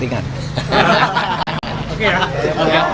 tidak ada yang bisa menerima